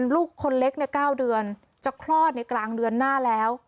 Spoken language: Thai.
ลูกคนเล็ก๙เดือนจะคลอดในกลางเดือนหน้าแล้ว